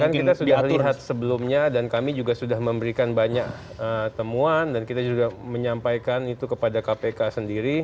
kan kita sudah lihat sebelumnya dan kami juga sudah memberikan banyak temuan dan kita juga menyampaikan itu kepada kpk sendiri